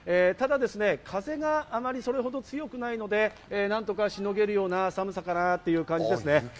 ただ、風があまりそれほど強くないので、何とかしのげるような寒さかなという感じです。